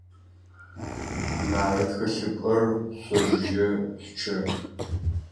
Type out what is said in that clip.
Вот письмо, которое сами потрудитесь отвезти к будущему свекру».